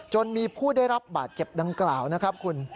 จนมีผู้ได้รับบาดเจ็บดังกล่าวนะครับคุณ